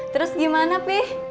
terus gimana pi